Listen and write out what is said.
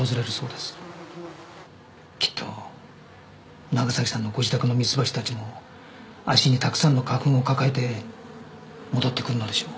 きっと長崎さんのご自宅のミツバチたちも足にたくさんの花粉を抱えて戻ってくるのでしょう。